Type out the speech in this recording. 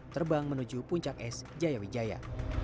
terbang menuju puncak es jayawijaya